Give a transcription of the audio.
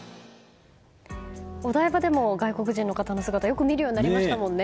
お台場でも外国人の方の姿よく見るようになりましたね。